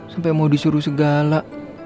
sampai mau disuruh segala